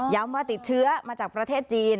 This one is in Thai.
ว่าติดเชื้อมาจากประเทศจีน